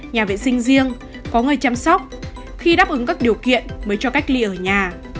nhà vệ sinh riêng có người chăm sóc khi đáp ứng các điều kiện mới cho cách ly ở nhà